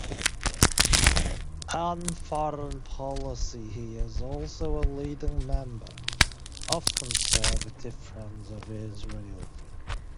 On foreign policy, he is also a leading member of Conservative Friends of Israel.